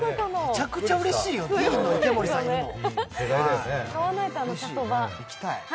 めちゃめちゃうれしいよ、ＤＥＥＮの池森さんいるの。